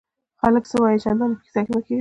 خلک څه وایي؟ چندان ئې په کیسه کي مه کېږه!